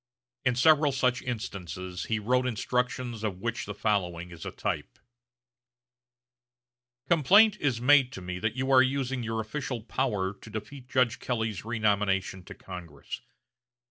In several such instances he wrote instructions of which the following is a type: "Complaint is made to me that you are using your official power to defeat Judge Kelley's renomination to Congress....